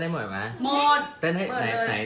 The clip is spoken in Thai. เดี๋ยวไปฟังมันกันมาก่อน